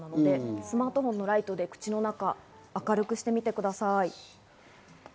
スマートフォンのライトで口の中、明るくしてみてください。